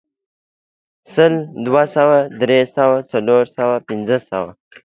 سل، دوه سوه، درې سوه، څلور سوه، پنځه سوه